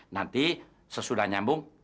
nanti sesudah nyambung